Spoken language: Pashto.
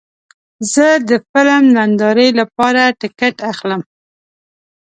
زه د فلم نندارې لپاره ټکټ اخلم.